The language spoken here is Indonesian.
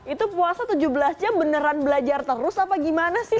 itu puasa tujuh belas jam beneran belajar terus apa gimana sih